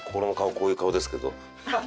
こういう顔ですけど。